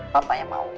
papanya mau gak